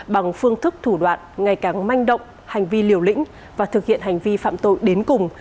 bằng phương thức thủ đoạn ngày càng manh động hành vi liều lĩnh và thực hiện hành vi phạm tội đến cùng